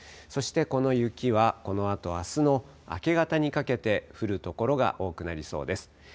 そしてこの雪はこのあとあすの明け方にかけて降るところが多くなりそうです。